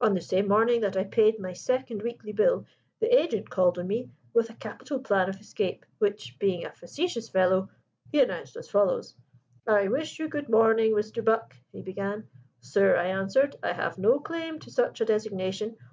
"On the same morning that I paid my second weekly bill the agent called on me with a capital plan of escape, which (being a facetious fellow) he announced as follows: 'I wish you good morning, Mr. Buck,' he began. 'Sir,' I answered, 'I have no claim to such a designation.